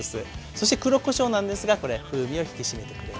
そして黒こしょうなんですがこれ風味を引き締めてくれます。